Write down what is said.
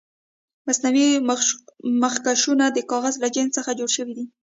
مصنوعي مخکشونه د کاغذ له جنس څخه جوړ شوي دي.